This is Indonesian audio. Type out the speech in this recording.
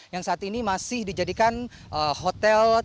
yang saat ini masih dijadikan hotel